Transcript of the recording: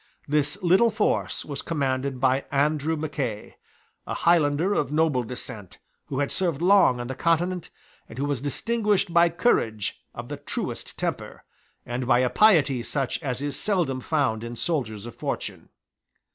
This little force was commanded by Andrew Mackay, a Highlander of noble descent, who had served long on the Continent, and who was distinguished by courage of the truest temper, and by a piety such as is seldom found in soldiers of fortune.